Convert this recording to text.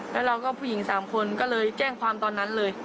แล้วเราก็ผู้หญิง๓คนก็เลยแจ้งความตอนนั้นเลย